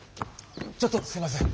ちょっとすいません。